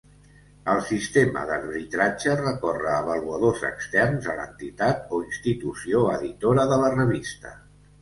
El sistema d'arbitratge recorre a avaluadors externs a l'entitat o institució editora de la revista.